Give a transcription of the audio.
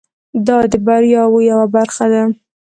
دا د بریاوو یوه برخه ده.